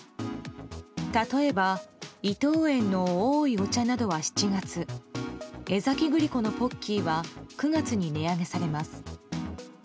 例えば伊藤園のおいお茶などは７月江崎グリコのポッキーは９月に値上げされます。